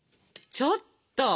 ちょっと！